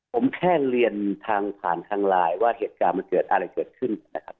ผมแค่เรียนทางผ่านทางไลน์ว่าเหตุการณ์มันเกิดอะไรเกิดขึ้นนะครับ